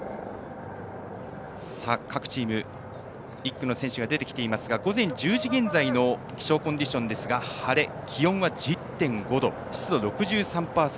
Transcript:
各チーム、１区の選手が出てきていますが午前１０時現在の気象コンディションですが晴れ、気温は１０．５度湿度６３％